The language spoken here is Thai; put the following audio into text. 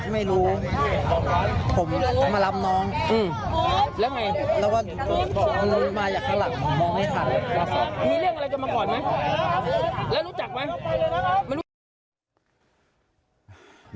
ไม่รู้ผมมารับน้องแล้วไงแล้วว่ามาอยากข้างหลังมองให้ค่ะมีเรื่องอะไรจะมาก่อนไหมแล้วรู้จักไหม